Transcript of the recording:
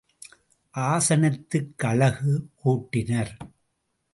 ஆசனத்துக்கு அழகு கூட்டினர்.